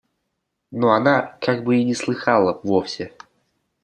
Но она как бы и не слыхала вовсе.